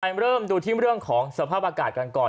เริ่มดูที่เรื่องของสภาพอากาศกันก่อน